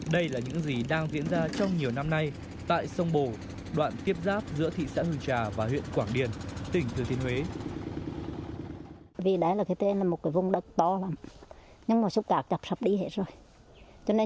đây là những gì đang diễn ra trong nhiều năm nay tại sông bồ đoạn tiếp giáp giữa thị xã hương trà và huyện quảng điền tỉnh thừa thiên huế